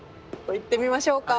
行ってみましょうか。